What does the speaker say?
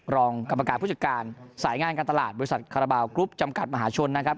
รองกรรมการผู้จัดการสายงานการตลาดบริษัทคาราบาลกรุ๊ปจำกัดมหาชนนะครับ